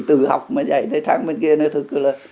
từ học mới dạy tới tháng bên kia nữa thôi cứ là